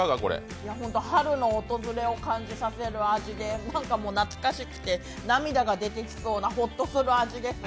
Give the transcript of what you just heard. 春の訪れを感じさせる味で何かもう、懐かしくて涙が出てきそうなほっとする味です。